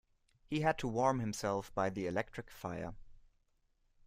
He had to warm himself by the electric fire